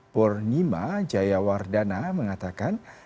pur nima jayawardana mengatakan